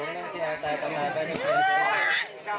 ขอบังนะเนอะอย่าข้าไปเกิดใหม่